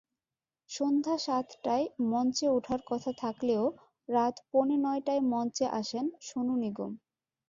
সন্ধ্যা সাতটায় মঞ্চে ওঠার কথা থাকলেও রাত পৌনে নয়টায় মঞ্চে আসেন সনু নিগম।